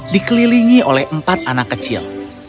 dikelilingi oleh empat anak kecil